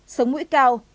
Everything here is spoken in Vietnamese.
sống mũi cao